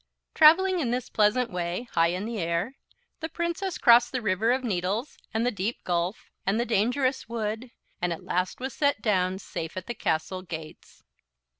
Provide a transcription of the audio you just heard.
Traveling in this pleasant way, high in the air, the Princess crossed the River of Needles and the deep gulf and the dangerous wood, and at last was set down safe at the castle gates.